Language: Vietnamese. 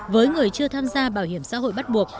với người chưa tham gia bảo hiểm xã hội bắt buộc